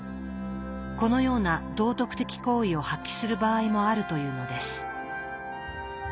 このような道徳的行為を発揮する場合もあるというのです。